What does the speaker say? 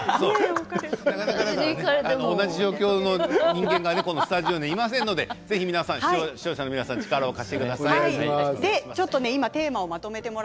同じ状況の人間がこのスタジオにいませんので視聴者の皆さん力を貸してください。